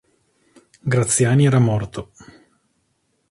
Graziani era morto.